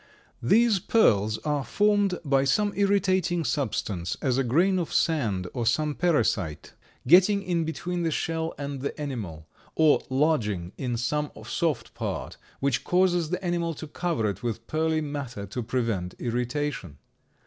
These pearls are formed by some irritating substance, as a grain of sand or some parasite, getting in between the shell and the animal, or lodging in some soft part, which causes the animal to cover it with pearly matter to prevent irritation.